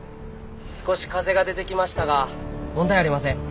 少し風が出てきましたが問題ありません。